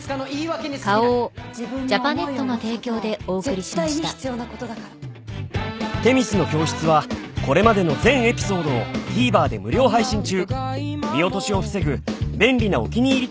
［『女神の教室』はこれまでの全エピソードをＴＶｅｒで無料配信中］